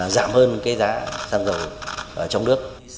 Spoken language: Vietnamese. giảm hơn cái giá xăng dầu trong nước